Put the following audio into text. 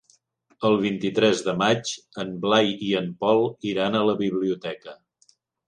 El vint-i-tres de maig en Blai i en Pol iran a la biblioteca.